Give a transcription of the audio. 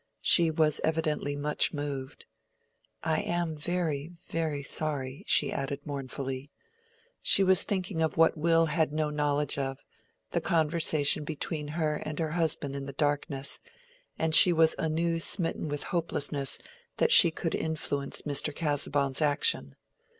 She was evidently much moved. "I am very, very sorry," she added, mournfully. She was thinking of what Will had no knowledge of—the conversation between her and her husband in the darkness; and she was anew smitten with hopelessness that she could influence Mr. Casaubon's action.